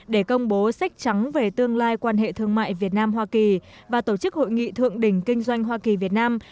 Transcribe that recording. để công bố sách trắng về tương lai quan hệ thương mại việt nam hoa kỳ và tổ chức hội nghị thượng đỉnh kinh doanh hoa kỳ việt nam